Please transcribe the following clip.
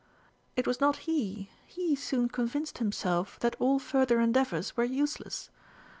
"It was not he. He soon convinced himself that all further endeavours were useless.